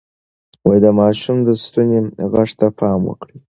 د ماشوم د ستوني غږ ته پام وکړئ.